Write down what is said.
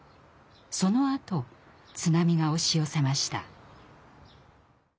そのあと津波が押し寄せました。